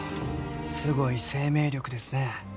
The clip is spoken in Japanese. すごい生命力ですね。